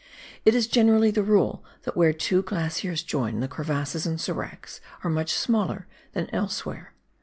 It is generally the rule that where two glaciers join, the crevasses and seracs are much smaller than elsewhere.